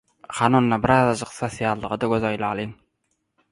Hany onda birazajyk sosiallyga-da göz aýlalyň.